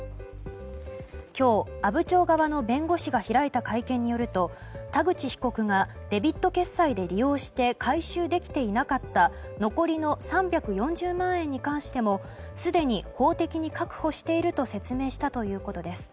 今日、阿武町側の弁護士が開いた会見によると田口被告がデビット決済で利用して回収できていなかった残りの３４０万円に関してもすでに法的に確保していると説明したということです。